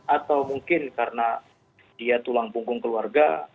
atau mungkin karena dia tulang punggung keluarga